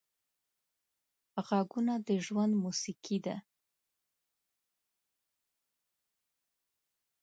غږونه د ژوند موسیقي ده